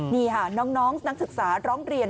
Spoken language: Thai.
นี่ค่ะน้องนักศึกษาร้องเรียน